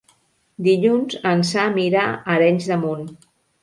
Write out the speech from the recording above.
Dilluns en Sam irà a Arenys de Munt.